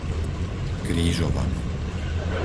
Krížovany